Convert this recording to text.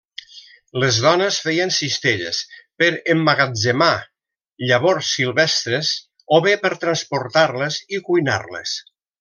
Les dones feien cistelles per emmagatzemar llavors silvestres, o bé per transportar-les i cuinar-les.